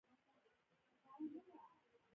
• هوښیار سړی د ستونزو پر حل تمرکز کوي.